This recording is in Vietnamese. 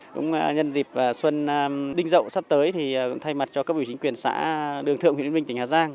cũng nhân dịp xuân đinh dậu sắp tới thì cũng thay mặt cho các vị chính quyền xã đường thượng huyện yên minh tỉnh hà giang